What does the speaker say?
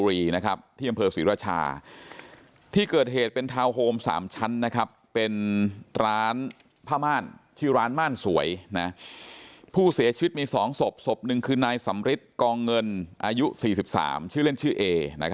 มี๒ศพศพ๑คือนายสำฤิษฐ์กองเงินอายุ๔๓ชื่อเล่นชื่อเอ